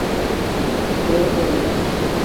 Joe, Florida.